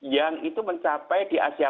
yang itu mencapai di asia